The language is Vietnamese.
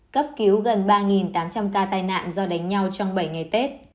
cấp cứu gần ba tám trăm linh ca tai nạn do đánh nhau trong bảy ngày tết